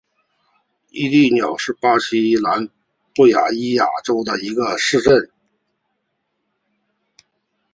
伊蒂乌巴是巴西巴伊亚州的一个市镇。